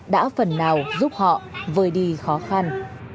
đã phần nào giúp họ vời đi khó khăn